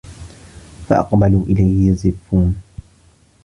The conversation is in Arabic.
فَأَقبَلوا إِلَيهِ يَزِفّونَ